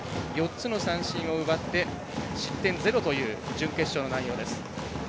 ４つの三振を奪って失点０という準決勝の内容です。